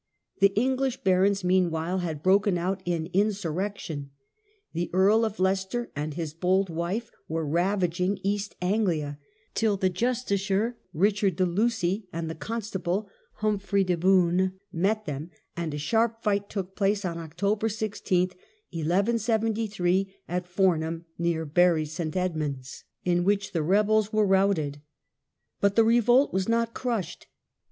The English barons meanwhile had broken out in insurrection. The Earl of Leicester and his bold wife were ravaging East Anglia till the justiciar Richard de Lucy and the constable Humfrey de Bohun met them, and a sharp fight took place on October 16, 1 1 73, at Fornham, near Bury S. Edmunds, in which the rebels were routed. But the revolt was not crushed.